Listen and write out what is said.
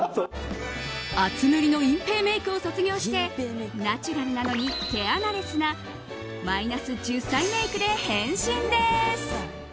厚塗りの隠ぺいメイクを卒業してナチュラルなのに毛穴レスなマイナス１０歳メイクで変身です。